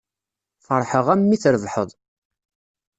Feṛḥeɣ-am mi trebḥeḍ.